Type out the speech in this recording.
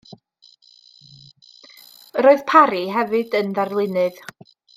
Roedd Parry hefyd yn ddarlunydd.